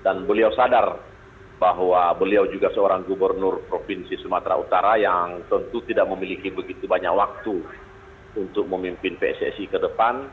dan beliau sadar bahwa beliau juga seorang gubernur provinsi sumatera utara yang tentu tidak memiliki begitu banyak waktu untuk memimpin pssi ke depan